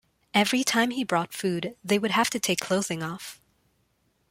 Every time he brought food, they would have to take clothing off.